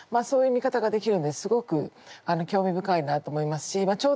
そういう見方ができるんですごく興味深いなあと思いますしま